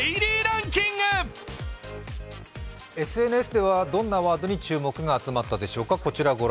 ＳＮＳではどんなワードに注目が集まったでしょうか。